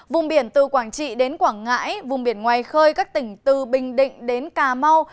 vùng biển từ quảng trị đến quảng ngãi vùng biển ngoài khơi các tỉnh từ bình định đến cà mau